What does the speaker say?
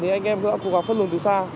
thì anh em đã cố gắng phân luồng từ xa